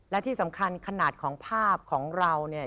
และที่สำคัญขนาดของภาพของเราเนี่ย